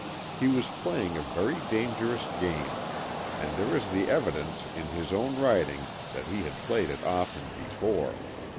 He was playing a very dangerous game, and there is the evidence in his own writing that he had played it often before.